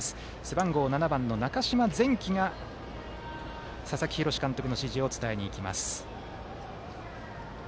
背番号７番の中嶋禅京が佐々木洋監督の指示を伝えに行きます。